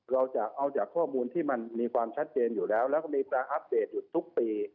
เราจะเอาจากข้อมูลที่มันมีความชัดเจนอยู่แล้วแล้วก็มีการอัปเดตอยู่ทุกปี